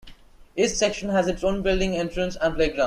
Each section has its own building, entrance and playground.